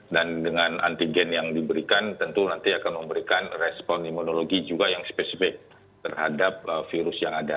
dan dengan antigen yang diberikan tentu nanti akan memberikan respon imunologi juga yang spesifik terhadap virus yang ada